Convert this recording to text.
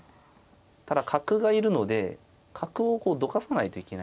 ただ角がいるので角をこうどかさないといけないんですよね